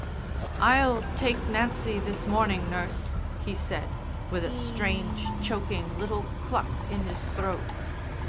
"I'll take Nancy this morning, nurse," he said, with a strange, choking little "cluck" in his throat.